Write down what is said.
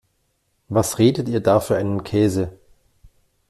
Was redet ihr da für einen Käse?